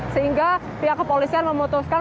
sehingga pihak kepolisian memutuskan